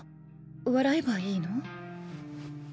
笑えばいいの？